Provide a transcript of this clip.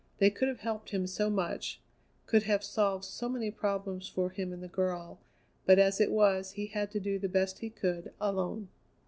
They could have helped him so much; could have solved so many problems for him and the girl; but as it was he had to do the best he could alone.